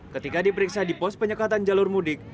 ketika diperiksa di pos penyekatan jalur mudik